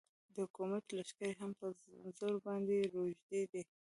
د حکومت لښکرې هم په زرو باندې روږدې دي.